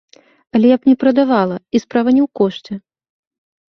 Але я б не прадавала, і справа не ў кошце.